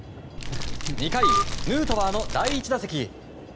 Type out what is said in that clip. ２回、ヌートバーの第１打席。